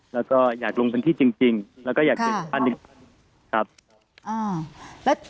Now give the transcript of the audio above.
แล้วก็อยากลงเป็นที่จริงจริงแล้วก็อยากค่ะครับอ่า